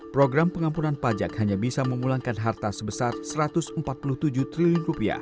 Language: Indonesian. program pengampunan pajak hanya bisa memulangkan harta sebesar rp satu ratus empat puluh tujuh triliun